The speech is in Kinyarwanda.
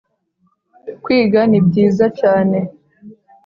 Kwiga ni byiza cyane.